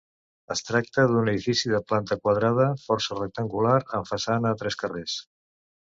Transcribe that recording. Es tracta d'un edifici de planta quadrada, força regular, amb façana a tres carrers.